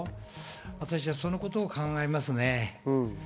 私はそのことを考えますね。